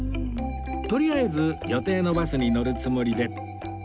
とりあえず予定のバスに乗るつもりで